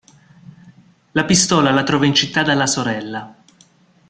La pistola la trova in città dalla sorella.